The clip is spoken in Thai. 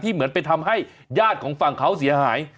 เหมือนไปทำให้ญาติของฝั่งเขาเสียหาย